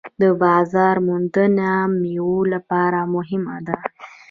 د بازار موندنه د میوو لپاره مهمه ده.